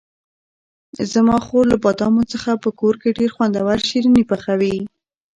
زما خور له بادامو څخه په کور کې ډېر خوندور شیریني پخوي.